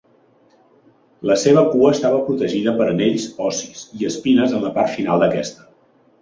La seva cua estava protegida per anells ossis i espines en la part final d'aquesta.